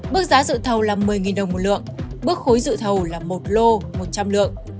mức giá dự thầu là một mươi đồng một lượng bước khối dự thầu là một lô một trăm linh lượng